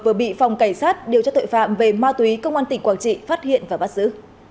vừa bị phòng cảnh sát điều tra tội phạm về ma túy công an tỉnh quảng trị phát hiện và bắt giữ